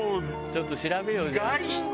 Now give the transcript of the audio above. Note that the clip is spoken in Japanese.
ちょっと調べようじゃあ。